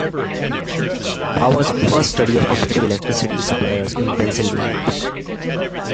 Power's first study of competitive electricity suppliers in Pennsylvania.